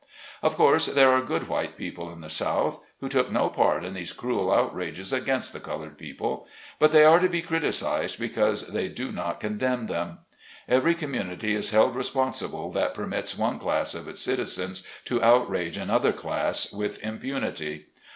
Of course there are good white people in the South, who took no part in these cruel outrages against the colored people. But they are to be criti cised because they do not condemn them. Every community is held responsible that permits one class of its citizens to outrage another class with impunity.